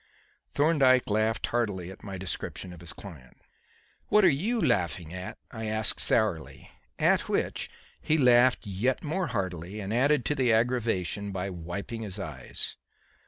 Thorndyke laughed heartily at my description of his client. "What are you laughing at?" I asked sourly; at which he laughed yet more heartily and added to the aggravation by wiping his eyes.